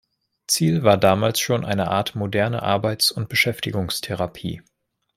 Ziel war damals schon eine Art moderne Arbeits- und Beschäftigungstherapie.